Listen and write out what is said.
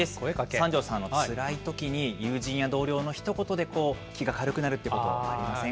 三條さん、つらいときに友人や同僚のひと言で、こう、気が軽くなるってことありません？